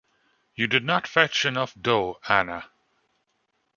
You did not fetch enough dough, Anna.